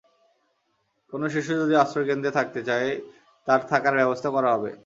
কোনো শিশু যদি আশ্রয়কেন্দ্রে থাকতে চায়, তার থাকার ব্যবস্থা করা হবে।